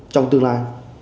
trong tương lai